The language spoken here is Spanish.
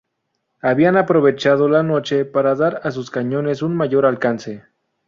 Habían aprovechado la noche para dar a sus cañones un mayor alcance.